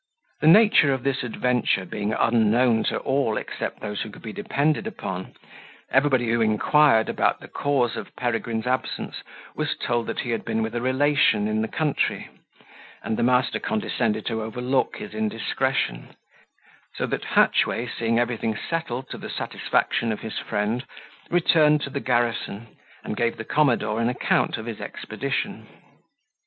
The nature of this adventure being unknown to all except those who could be depended upon, everybody who inquired about the cause of Peregrine's absence, was told that he had been with a relation in the country, and the master condescended to overlook his indiscretion; so that Hatchway, seeing everything settled to the satisfaction of his friend, returned to the garrison, and gave the commodore an account of his expedition.